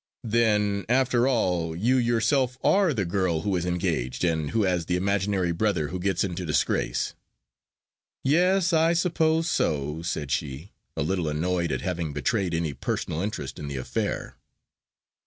"Then, after all, you yourself are the girl who is engaged, and who has the imaginary brother who gets into disgrace?" "Yes, I suppose so," said she, a little annoyed at having betrayed any personal interest in the affair.